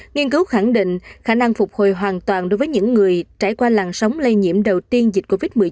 nghiên cứu khẳng định khả năng phục hồi hoàn toàn đối với những người trải qua làn sóng lây nhiễm đầu tiên dịch covid một mươi chín